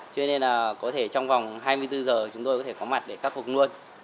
cho nên là có thể trong vòng hai mươi bốn giờ chúng tôi có thể có mặt để khắc phục luôn